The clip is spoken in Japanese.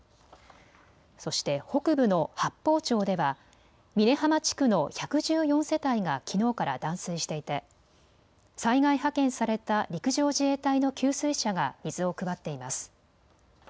そして北部の八峰町では峰浜地区の１１４世帯がきのうから断水していて災害派遣された陸上自衛隊の給水車が水を配っています。